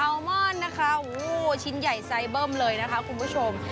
ลมอนนะคะชิ้นใหญ่ไซเบิ้มเลยนะคะคุณผู้ชม